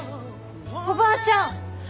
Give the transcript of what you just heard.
おばあちゃん！